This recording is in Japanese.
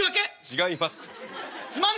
違います。